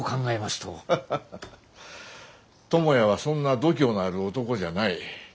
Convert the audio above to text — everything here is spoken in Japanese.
ハハハ友也はそんな度胸のある男じゃない。